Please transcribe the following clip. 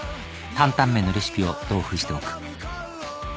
「担々麺のレシピを同封しておく」